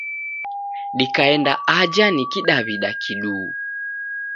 Dikaenda aja ni Kidaw'ida kiduu.